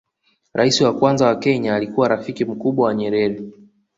rais wa kwanza wa kenya alikuwa rafiki mkubwa wa nyerere